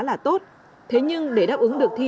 là tốt thế nhưng để đáp ứng được thi